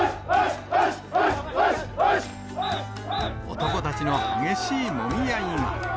男たちの激しいもみ合いが。